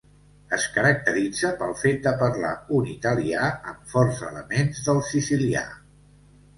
Es caracteritza pel fet de parlar un italià amb forts elements del sicilià.